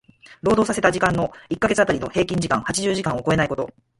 労働させた時間の一箇月当たりの平均時間八十時間を超えないこと。